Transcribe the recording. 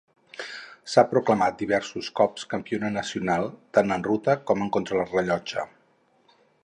S'ha proclamat diversos cops campiona nacional, tant en ruta com en contrarellotge.